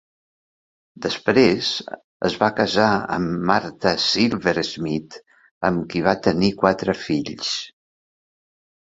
Després es va casar amb Martha Silversmith, amb qui va tenir quatre fills.